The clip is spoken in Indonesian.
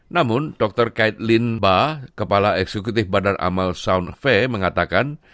namun dr kite lin ba kepala eksekutif bandar amal sound faye mengatakan